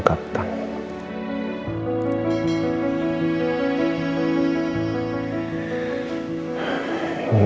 bukankah tr alrededor